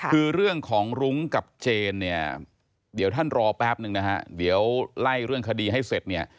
คือเรื่องของรุ้งกับเจนเนี่ยเดี๋ยวท่านรอแป๊บนึงนะฮะเดี๋ยวไล่เรื่องคดีให้เสร็จเนี่ย